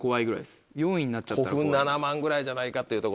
古墳７万ぐらいじゃないかっていうとこですね。